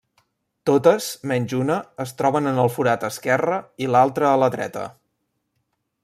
Totes, menys una, es troben en el forat esquerre i l'altra a la dreta.